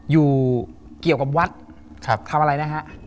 อยู่เกี่ยวกับวัดทำอะไรนะฮะ